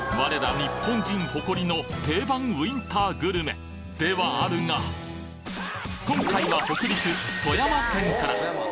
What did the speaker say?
日本人誇りの定番ウインターグルメではあるが今回は北陸富山県から！